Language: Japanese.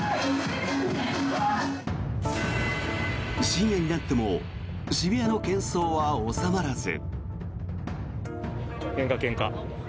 深夜になっても渋谷のけん騒は収まらず。